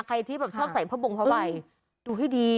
ใครที่แบบชอบใส่ผ้าบงผ้าใบดูให้ดี